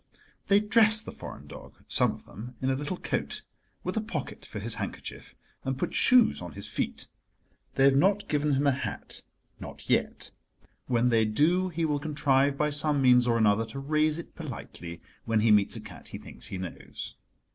They dress the foreign dog—some of them—in a little coat, with a pocket for his handkerchief, and put shoes on his feet. They have not given him a hat—not yet. When they do, he will contrive by some means or another to raise it politely when he meets a cat he thinks he knows.